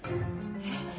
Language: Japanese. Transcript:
えっ？